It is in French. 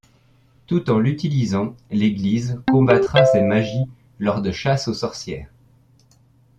Tout en l'utilisant, l’Église combattra ces magies lors de chasses aux sorcières.